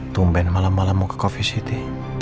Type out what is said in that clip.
tumben malam malam mau ke coffee city